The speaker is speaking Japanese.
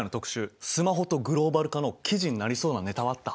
「スマホとグローバル化」の記事になりそうなネタはあった？